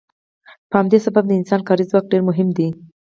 په همدې سبب د انسان کاري ځواک ډیر مهم دی.